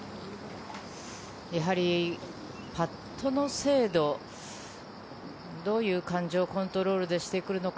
やはりパットの精度、どういう感情をコントロールしてくるのか。